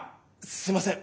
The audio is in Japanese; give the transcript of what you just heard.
すみません！